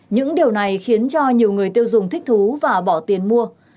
những điều này khiến cho nhiều người tiêu dùng thích thú và bỏ tiền mua